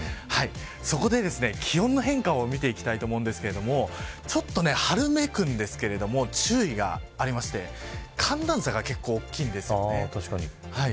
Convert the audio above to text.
そこで、気温の変化を見ていきたいと思うんですがちょっと春めくんですけれども注意がありまして寒暖差が結構、大きいんですね。